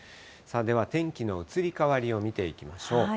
では天気の移り変わりを見ていきましょう。